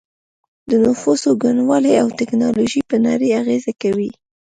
د نفوسو ګڼوالی او ټیکنالوژي په نړۍ اغیزه کوي